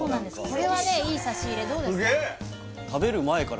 これはねいい差し入れどうですか？